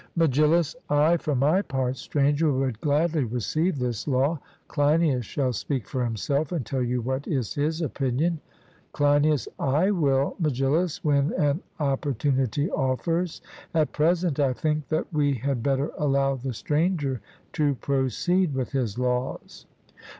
MEGILLUS: I, for my part, Stranger, would gladly receive this law. Cleinias shall speak for himself, and tell you what is his opinion. CLEINIAS: I will, Megillus, when an opportunity offers; at present, I think that we had better allow the Stranger to proceed with his laws.